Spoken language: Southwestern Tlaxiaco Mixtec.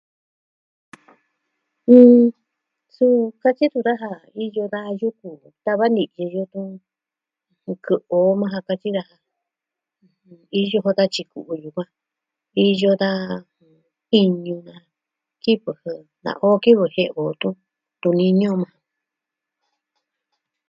Mm.. suu katyi tun daja, iyo da yuku tava ni ki yutun jɨ kɨ'ɨn o maa ja kuatyi daja. Iyo kua'a katyi kɨ'ɨn yukuan. Iyo da... jɨn.. tiñu daa kivɨ jɨ nakoo kivɨ jie'e o tun, tu niñɨ o maa.